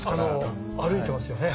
歩いてますよね。